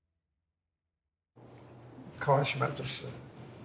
川島です。